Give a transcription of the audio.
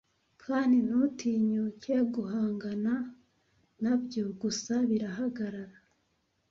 kandi ntutinyuke guhangana nabyo gusa birahagarara